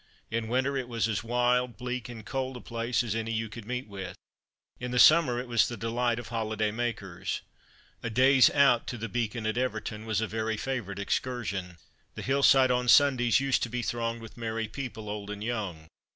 In winter it was as wild, bleak, and cold a place as any you could meet with. In the summer it was the delight of holiday makers. A day's "out" to the Beacon, at Everton, was a very favourite excursion. The hill side on Sundays used to be thronged with merry people, old and young.